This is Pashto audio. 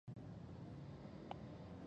د جزایي اجراآتو قانون چې د ملي